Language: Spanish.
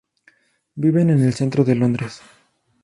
Viven en el centro de Londres.